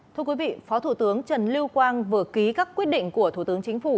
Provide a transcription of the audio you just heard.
thưa quý vị phó thủ tướng trần lưu quang vừa ký các quyết định của thủ tướng chính phủ